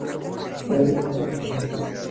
Larry Nance, Jr.